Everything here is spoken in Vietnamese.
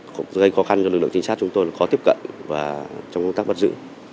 thì gây khó khăn cho lực lượng trinh sát chúng tôi là khó tiếp cận và trong công tác vật dự